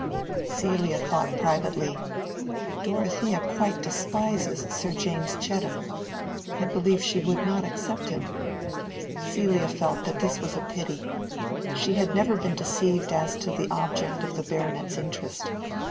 Celia thought privately, "Dorothea quite despises Sir James Chettam; I believe she would not accept him." Celia felt that this was a pity. She had never been deceived as to the object of the baronet's interest.